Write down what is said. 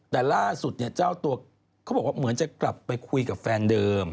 แต่ล่าสุดเนี่ยเจ้าตัวเขาบอกว่าเหมือนจะกลับไปคุยกับแฟนเดิม